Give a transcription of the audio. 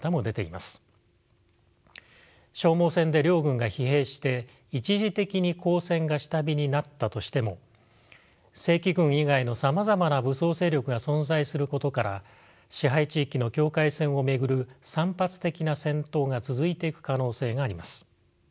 消耗戦で両軍が疲弊して一時的に交戦が下火になったとしても正規軍以外のさまざまな武装勢力が存在することから支配地域の境界線を巡る散発的な戦闘が続いていく可能性があります。